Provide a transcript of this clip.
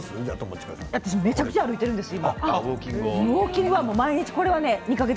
めちゃくちゃ歩いてるんです。